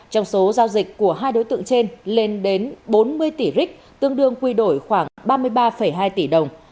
trong số giao dịch của hai đối tượng trên lên đến bốn mươi tỷ rich tương đương quy đổi khoảng ba mươi ba hai tỷ đồng